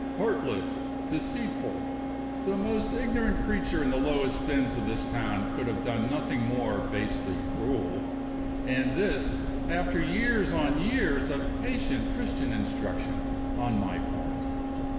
Heartless! Deceitful! The most ignorant creature in the lowest dens of this town could have done nothing more basely cruel. And this, after years on years of patient Christian instruction on my part!